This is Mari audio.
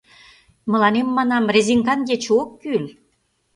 — Мыланем, манам, резинкан ече ок кӱл.